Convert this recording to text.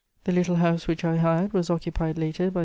The little house which I hired was occupied later by M.